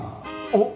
おっ！